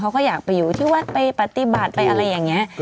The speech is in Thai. เขาก็อยากไปอยู่ที่วัดไปปฏิบัติไปอะไรอย่างนี้